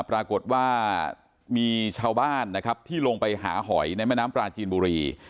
ปรากฏว่ามีชาวบ้านนะครับที่ลงไปหาหอยในแม่น้ำปลาจีนบุรี